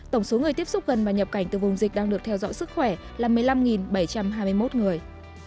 tổng số người tiếp xúc gần và nhập cảnh từ vùng dịch đang được theo dõi sức khỏe là một mươi năm bảy trăm hai mươi một người